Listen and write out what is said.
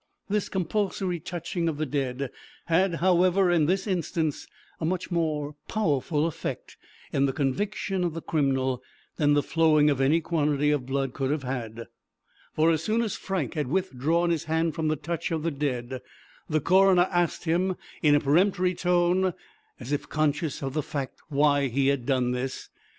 This compulsory touching of the dead had, however, in this instance, a much more powerful effect, in the conviction of the criminal, than the flowing of any quantity of blood could have had; for as soon as Frank had withdrawn his hand from the touch of the dead, the coroner asked him, in a peremptory tone, as if conscious of the fact, why he had done this.